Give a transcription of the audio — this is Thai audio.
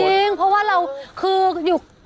จริงเพราะว่าเราคืออยู่